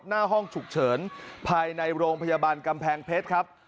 หน้าห้องฉุกเฉินภายในโรงพยาบาลกำแพงเพชรครับ